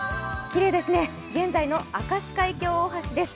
きれいですね、現在の明石海峡大橋です。